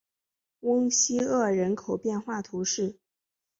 翁西厄人口变化图示